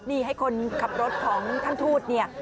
นี่ให้คนขับรถของท่านทูตเนี่ย